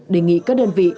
đề nghị các đơn vị